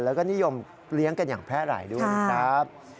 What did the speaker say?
แล้วก็นิยมเลี้ยงกันอย่างแพร่หลายด้วยนะครับ